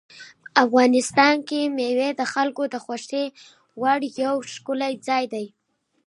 افغانستان کې مېوې د خلکو د خوښې وړ یو ښکلی ځای دی.